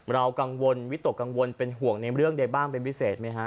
เรากังวลวิตกกังวลเป็นห่วงในเรื่องใดบ้างเป็นพิเศษไหมฮะ